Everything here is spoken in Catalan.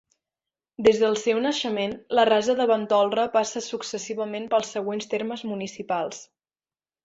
Des del seu naixement, la Rasa de Ventolra passa successivament pels següents termes municipals.